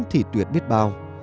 thì tuyệt biết bao